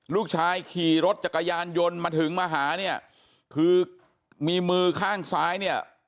ลูกชายขี่รถจักรยานยนต์มาถึงมาหาเนี่ยคือมีมือข้างซ้ายเนี่ย